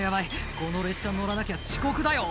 この列車乗らなきゃ遅刻だよ」